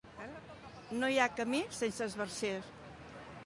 No hi ha camí sense esbarzer.